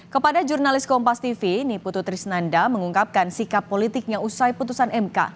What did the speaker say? kepada jurnalis kompas tv niputu trisnanda mengungkapkan sikap politiknya usai putusan mk